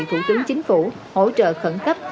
thủ tướng chính phủ hỗ trợ khẩn cấp